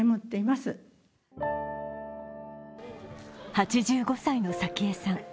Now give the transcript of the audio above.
８５歳の早紀江さん。